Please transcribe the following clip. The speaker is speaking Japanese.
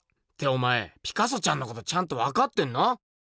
っておまえピカソちゃんのことちゃんとわかってんの？